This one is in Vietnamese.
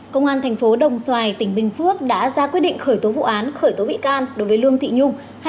công an tp đồng xoài tỉnh vĩnh phúc đã ra quyết định khởi tố vụ án khởi tố bị can đối với lương thị nhung